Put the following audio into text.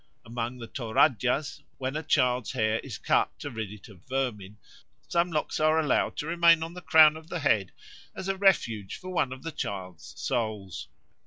Among the Toradjas, when a child's hair is cut to rid it of vermin, some locks are allowed to remain on the crown of the head as a refuge for one of the child's souls.